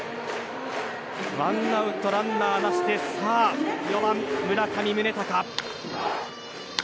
ワンアウトランナーなしでさあ４番、村上宗隆。